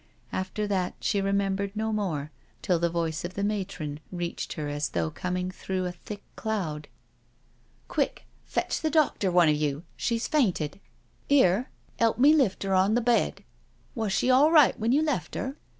After that she remembered no more till the voice of the matron reached her as though coming through a thick cloud :" Quick— fetch the doctor, one of you— she's fainted. 276 NO SURRENDER .•. Here, help me lift her on the bed. Was she all right when you left her?"